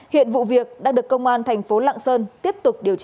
hiện vụ việc đang được công an thành phố lạng sơn tiếp tục điều tra